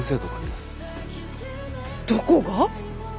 どこが！？